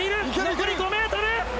残り５ｍ！